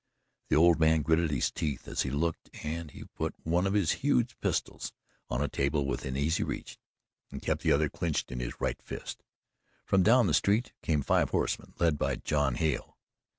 The old man gritted his teeth as he looked and he put one of his huge pistols on a table within easy reach and kept the other clenched in his right fist. From down the street came five horsemen, led by John Hale.